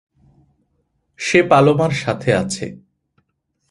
সে পালোমার সাথে আছে।